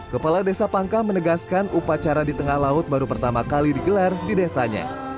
kepala desa pangka menegaskan upacara di tengah laut baru pertama kali digelar di desanya